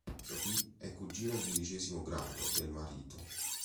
Sophie è cugina di undicesimo grado del marito.